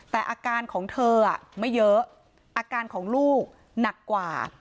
แต่อาการของเธอไม่เยอะอาการของลูกหนักกว่า